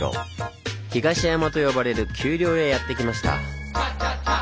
東山と呼ばれる丘陵へやって来ました。